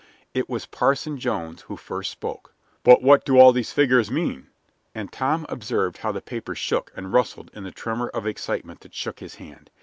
It was Parson Jones who first spoke. "But what do all these figures mean?" And Tom observed how the paper shook and rustled in the tremor of excitement that shook his hand.